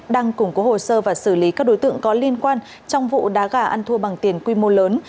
đang củng cố hồ sơ và xử lý các đối tượng có liên quan trong vụ đá gà ăn thua bằng tiền quy mô lớn